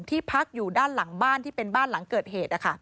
พักอยู่ด้านหลังบ้านที่เป็นบ้านหลังเกิดเหตุ